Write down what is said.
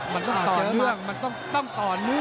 มันต้องต่อเนื่องมันต้องต่อเนื่อง